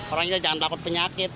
orang kita jangan takut penyakit